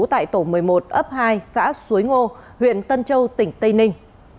tại tổ một mươi một ấp hai xã suối ngô huyện tân châu tỉnh tây ninh